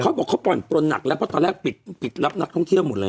เขาบอกเขาผ่อนปลนหนักแล้วเพราะตอนแรกปิดรับนักท่องเที่ยวหมดเลย